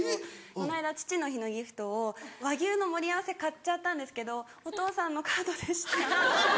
この間父の日のギフトを和牛の盛り合わせ買っちゃったんですけどお父さんのカードでした。